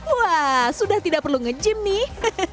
wah sudah tidak perlu nge gym nih